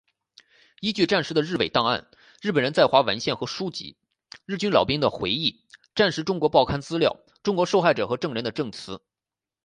依据战时的日伪档案、日本人在华文献和书籍、日军老兵回忆、战时中国报刊资料、中国受害者和证人的证词